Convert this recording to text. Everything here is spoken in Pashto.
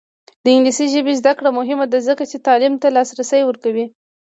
د انګلیسي ژبې زده کړه مهمه ده ځکه چې تعلیم ته لاسرسی ورکوي.